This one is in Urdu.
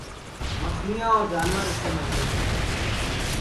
مچھلیاں اور جانور اس سے مرتے ہیں۔